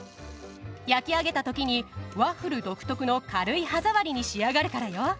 焼き上げたときにワッフル独特の軽い歯触りに仕上がるからよ。